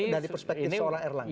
dari perspektif seorang airline